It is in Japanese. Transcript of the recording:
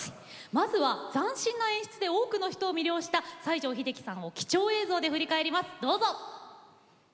まずは斬新な演出で多くの人を魅了した西城秀樹さんを貴重映像で振り返ります。